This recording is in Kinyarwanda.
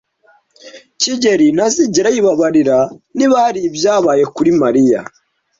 kigeli ntazigera yibabarira niba hari ibyabaye kuri Mariya.